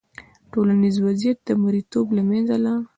ټولنیز وضعیت د مریتوب له منځه لاړ.